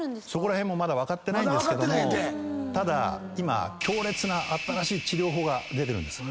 まだ分かってないんですけどもただ今強烈な新しい治療法が出てるんです。